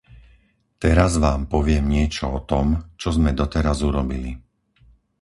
Teraz vám poviem niečo o tom, čo sme doteraz urobili.